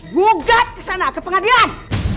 kugat kesana ke pengadilan